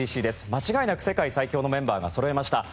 間違いなく世界最強のメンバーがそろいました。